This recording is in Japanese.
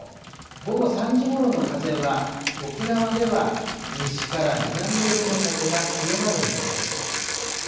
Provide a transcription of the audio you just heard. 午後３時ごろの風は、沖縄では西から南寄りの風が強まる見込みです。